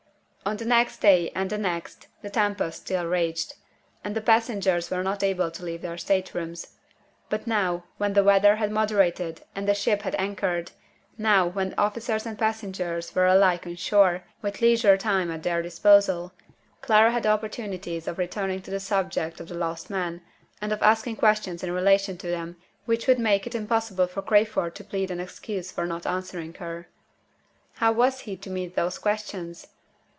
On the next day, and the next, the tempest still raged and the passengers were not able to leave their state rooms. But now, when the weather had moderated and the ship had anchored now, when officers and passengers alike were on shore, with leisure time at their disposal Clara had opportunities of returning to the subject of the lost men, and of asking questions in relation to them which would make it impossible for Crayford to plead an excuse for not answering her. How was he to meet those questions?